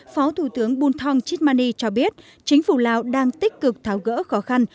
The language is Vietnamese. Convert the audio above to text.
phó thủ tướng buntong chitmani cho biết chính phủ lào đang tích cực tháo gỡ khó khăn